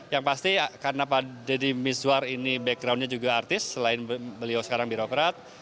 yang pasti karena pak deddy mizwar ini backgroundnya juga artis selain beliau sekarang birokrat